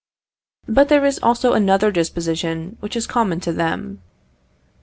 But there is also another disposition which is common to them.